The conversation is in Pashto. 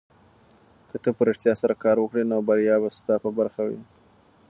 که ته په رښتیا سره کار وکړې نو بریا به ستا په برخه وي.